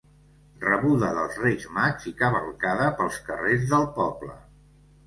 Rebuda dels Reis Mags i cavalcada pels carrers del poble.